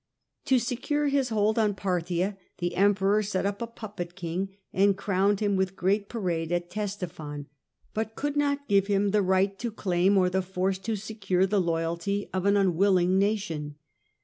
To secure his hold on Parthia the Emperor set up a puppet king, and crowned him with great parade at Ctesiphon, but could not give him the right to claim or the force to secure the loyalty of an unwilling nation.